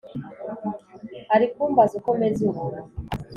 ari kumbaza uko meze ubu